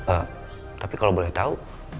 ee tapi kalau boleh tau